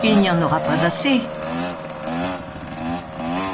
Il n'y en aura pas assez.